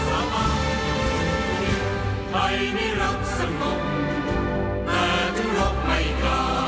สำหรับเรื่องอยากเป็นชาติผู้หญิง